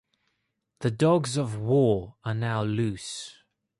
The dogs of war are now loose.